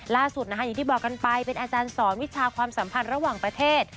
ล่าสุดนะคะอย่างที่บอกกันไปเป็นอาจารย์สอนวิชาความสัมพันธ์ระหว่างประเทศ